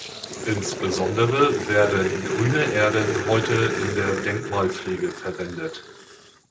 Insbesondere werden Grüne Erden heute in der Denkmalpflege verwendet.